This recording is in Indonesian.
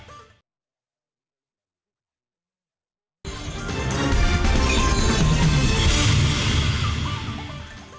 mas soe apa yang kamu inginkan